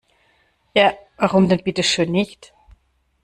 Ja, warum denn bitteschön nicht?